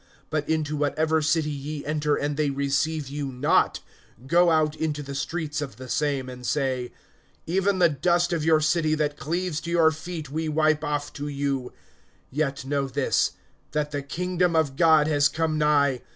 (10)But into whatever city ye enter and they receive you not, go out into the streets of the same, and say: (11)Even the dust of your city that cleaves to our feet, we wipe off to you[10:11]; yet know this, that the kingdom of God has come nigh.